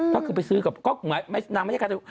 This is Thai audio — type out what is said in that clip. ก็คือไปซื้อกับนางไม่ได้กระตันอยู่